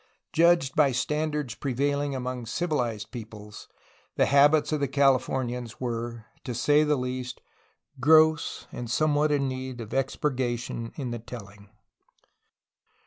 Judged by standards prevailing among civilized peoples, the habits of the Calif omians were, to say the least, gross and somewhat in need of expurga tion in the telling.